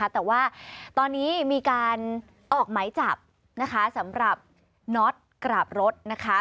แต่ว่าตอนนี้มีการออกไหมจับนะคะสำหรับน็อตกราบรถนะคะ